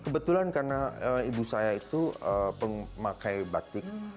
kebetulan karena ibu saya itu pemakai batik